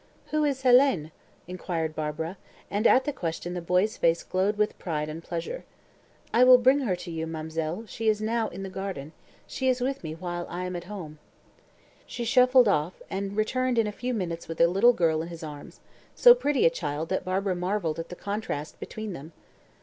"Who is Hélène?" inquired Barbara; and at the question the boy's face glowed with pride and pleasure. "I will bring her to you, ma'm'selle; she is now in the garden. She is with me while I am at home." He shuffled off, and returned in a few minutes with a little girl in his arms: so pretty a child that Barbara marvelled at the contrast between them.